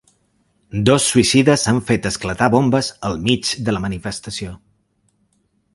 Dos suïcides han fet esclatar bombes al mig de la manifestació.